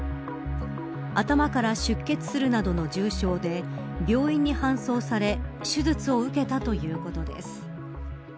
頭から出血するなどの重傷で病院に搬送され手術を受けたということです。